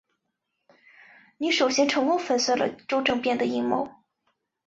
你首先成功粉碎了周政变的阴谋。